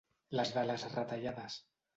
La de les retallades.